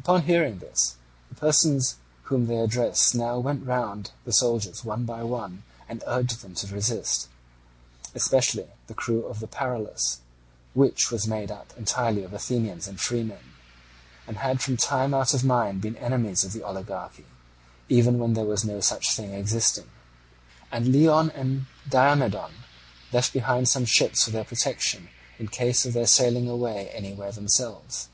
Upon hearing this, the persons whom they addressed now went round the soldiers one by one, and urged them to resist, especially the crew of the Paralus, which was made up entirely of Athenians and freemen, and had from time out of mind been enemies of oligarchy, even when there was no such thing existing; and Leon and Diomedon left behind some ships for their protection in case of their sailing away anywhere themselves.